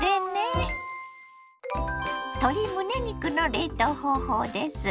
鶏むね肉の冷凍方法です。